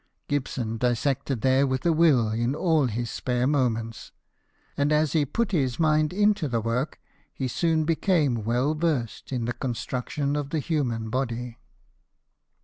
Gibson dissected there with a will in all his spare moments, and as he put his mind into the work he soon became well versed in the construction of the human body.